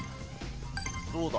どうだ？